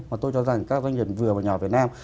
mà tôi cho rằng các doanh nghiệp vừa và nhỏ việt nam